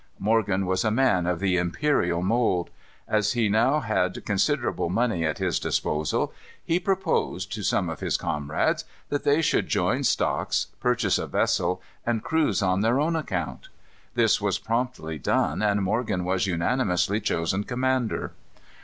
Morgan was a man of the imperial mould. As he now had considerable money at his disposal, he proposed, to some of his comrades, that they should join stocks, purchase a vessel, and cruise on their own account. This was promptly done, and Morgan was unanimously chosen commander.